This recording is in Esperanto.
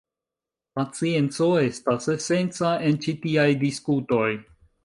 Pacienco estas esenca en ĉi tiaj diskutoj.